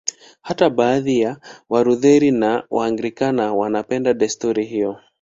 Hata baadhi ya Walutheri na Waanglikana wanapenda desturi hiyo.